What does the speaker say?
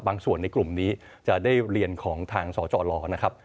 ส่วนในกลุ่มนี้จะได้เรียนของทางสจลนะครับ